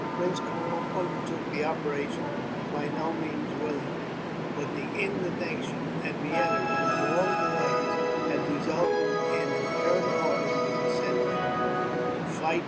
Prince Karl undertook the operation by no means willingly; but the indignation, at Vienna, at his long delays had resulted in imperative orders being sent to him, to fight.